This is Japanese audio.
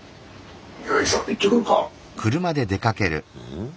ん？